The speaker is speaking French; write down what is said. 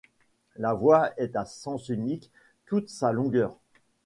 La voie est à sens unique toute sa longueur.